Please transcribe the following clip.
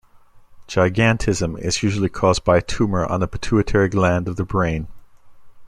Gigantism is usually caused by a tumor on the pituitary gland of the brain.